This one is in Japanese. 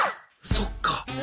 そっか。